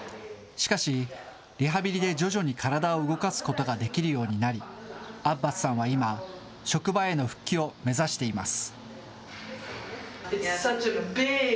しかし、リハビリで徐々に体を動かすことができるようになり、アッバスさんは今、職場への復帰を目指しています。